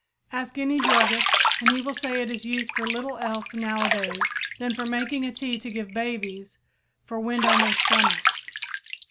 Ask any druggist, and he will say it is used for little else nowadays than for making a tea to give babies for wind on their stomachs.